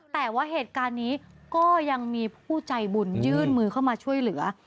แต่ว่าเหตุการณ์นี้ก็ยังมีผู้ใจบุญยื่นมือเข้ามาช่วยเหลือ